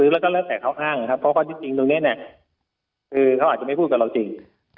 แล้วก็แล้วแต่เค้าอั้งเพราะว่าจริงตรงนี้เนี่ยคือเค้าอาจไม่พูดกับเราจริง